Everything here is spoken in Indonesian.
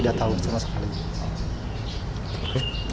tidak tahu sama sekali